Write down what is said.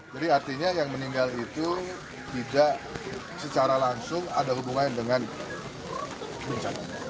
jadi artinya yang meninggal itu tidak secara langsung ada hubungan dengan bensatanya